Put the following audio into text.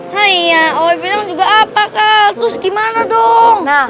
hai ya oh juga apa kakus gimana dong